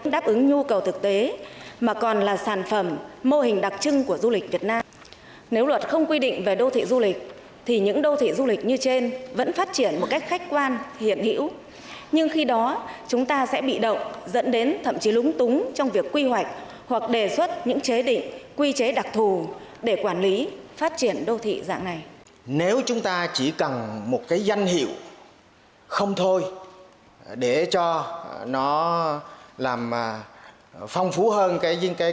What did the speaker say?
đề xuất những chế định quy chế đặc thù để quản lý phát triển đô thị dạng này